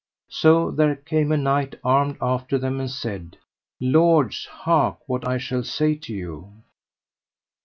So there came a knight armed after them and said: Lords, hark what I shall say to you.